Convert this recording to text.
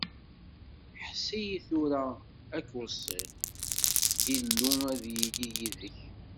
Ḥess-iyi-d tura ad k-weṣṣiɣ, Illu ad yili yid-k!